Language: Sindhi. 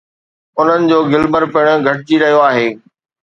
انهن جو گلمر پڻ گهٽجي رهيو آهي.